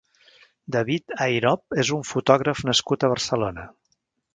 David Airob és un fotògraf nascut a Barcelona.